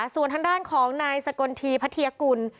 ส่วนทางด้านของนายสกลทีพัทยากุล